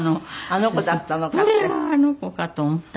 あの子だったのかって。